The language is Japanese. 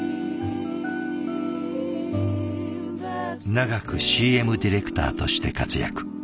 長くＣＭディレクターとして活躍。